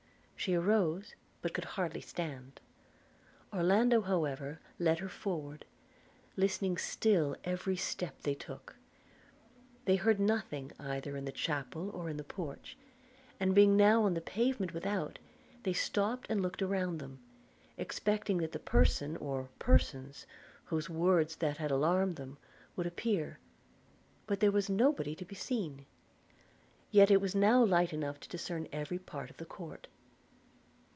She arose, but could hardly stand. Orlando however led her forward, listening still every step they took. They heard nothing either in the chapel or in the porch; and being now on the pavement without, they stopped and looked around them, expecting that the person or persons whose words had alarmed them would appear: but there was nobody to be seen, yet it now light enough to discern every part of the court.